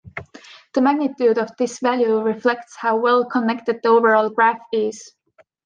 The magnitude of this value reflects how well connected the overall graph is.